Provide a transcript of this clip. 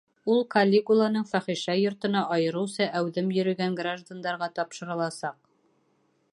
Ул Калигулланың фәхишә йортона айырыуса әүҙем йөрөгән граждандарға тапшырыласаҡ.